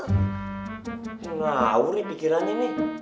ngagur nih pikirannya nih